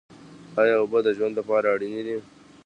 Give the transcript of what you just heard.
ایا اوبه د ژوند لپاره اړینې دي؟